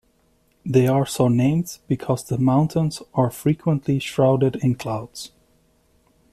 They are so named because the mountains are frequently shrouded in clouds.